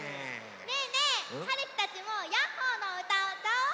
ねえねえはるきたちも「やっほー☆」のうたをうたおう！